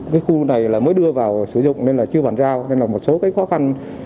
đây là mới đưa vào sử dụng nên là chưa bản giao nên là một số cái khó khăn